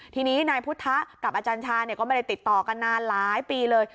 ทีนี้นายพุทธกับอาจารย์ชาก็ไม่ได้ติดต่อกันนานหลายปีเลย